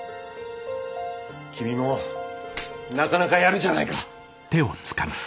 君もなかなかやるじゃないか。